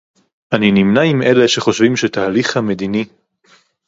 אני נמנה עם אלה שחושבים שתהליך המדיני